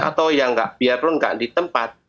atau yang biarpun nggak di tempat